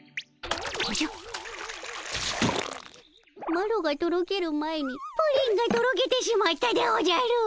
マロがとろける前にプリンがとろけてしまったでおじゃる！